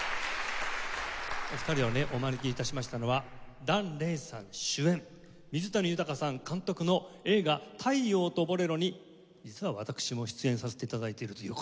お二人をねお招き致しましたのは檀れいさん主演水谷豊さん監督の映画『太陽とボレロ』に実は私も出演させて頂いているという事なんですが。